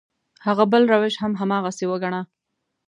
هغه بل روش هم هماغسې وګڼه.